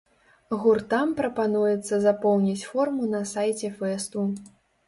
Гуртам прапануецца запоўніць форму на сайце фэсту.